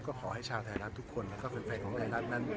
ก็ขอให้ชาวไทยรัฐทุกคนแล้วก็แฟนของไทยรัฐนั้น